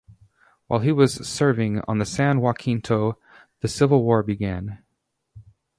While he was serving on the "San Jacinto", the Civil War began.